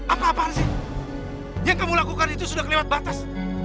apa apaan sih yang kamu lakukan itu sudah kelewat batas